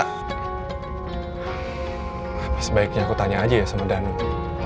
tapi sebaiknya aku tanya saja ya sama danong